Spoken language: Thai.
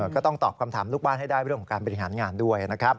ก็ต้องตอบคำถามลูกบ้านให้ได้เรื่องของการบริหารงานด้วยนะครับ